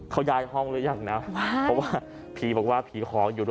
เขาย้ายห้องหรือยังนะเพราะว่าผีบอกว่าผีของอยู่ด้วย